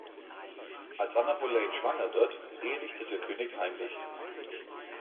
Als Anna Boleyn schwanger wird, ehelicht sie der König heimlich.